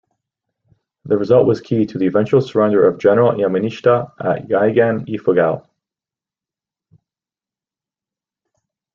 The result was key to the eventual surrender of General Yamashita at Kiangan, Ifugao.